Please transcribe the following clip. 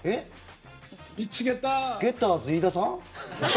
ゲッターズ飯田さん？